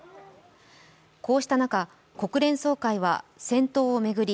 こうした中、国連総会は戦闘を巡り